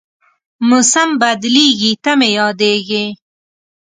موسم بدلېږي، ته مې یادېږې